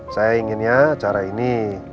saya inginnya acara ini